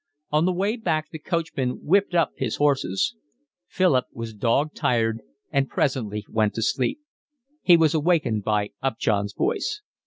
On the way back the coachman whipped up his horses. Philip was dog tired and presently went to sleep. He was awakened by Upjohn's voice.